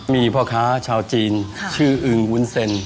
มีพ่อค้าชาวจีนชื่ออึงวุ้นเซ็น